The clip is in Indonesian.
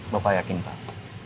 bapak yakin pak